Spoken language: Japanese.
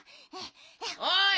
おい！